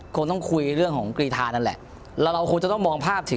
สนุกโทษต่อไป